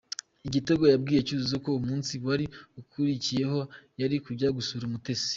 Igitego yabwiye Cyuzuzo ko umunsi wari gukurikiraho yari kujya gusura Umutesi.